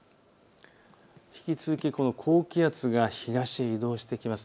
引き続き、この高気圧が東へ移動してきます。